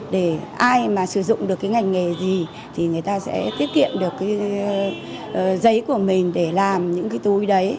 để ai mà sử dụng được cái ngành nghề gì thì người ta sẽ tiết kiệm được cái giấy của mình để làm những cái túi đấy